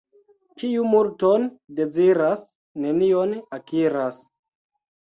Kiu multon deziras, nenion akiras.